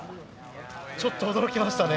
ちょっと驚きましたね。